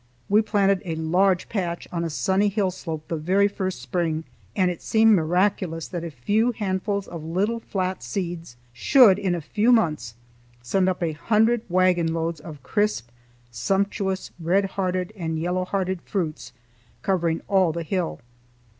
We planted a large patch on a sunny hill slope the very first spring, and it seemed miraculous that a few handfuls of little flat seeds should in a few months send up a hundred wagon loads of crisp, sumptuous, red hearted and yellow hearted fruits covering all the hill.